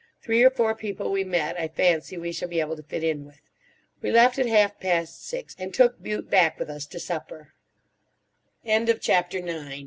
Three or four people we met I fancy we shall be able to fit in with. We left at half past six, and took Bute back with us to supper. CHAPTER X "SHE'S a good w